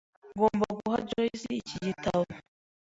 Ngomba guha Joyce iki gitabo.